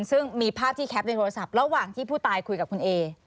ซึ่งมีภาพที่แคปในโทรศัพท์ระหว่างที่ผู้ตายคุยกับคุณเอ